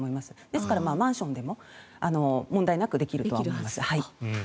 ですから、マンションでも問題なくできると思います。